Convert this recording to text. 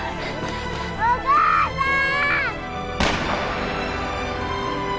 お母さん！